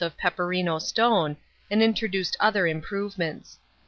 601 peperino stone, and introduced other improvements.